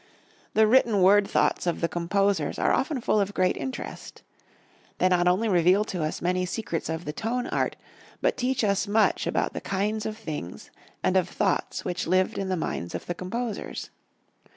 The written word thoughts of the composers are often full of great interest. They not only reveal to us many secrets of the tone art, but teach us much about the kinds of things and of thoughts which lived in the minds of the composers.